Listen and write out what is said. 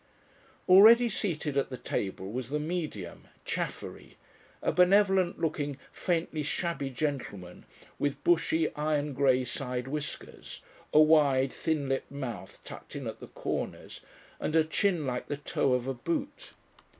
Already seated at the table was the Medium, Chaffery, a benevolent looking, faintly shabby gentleman with bushy iron grey side whiskers, a wide, thin lipped mouth tucked in at the corners, and a chin like the toe of a boot.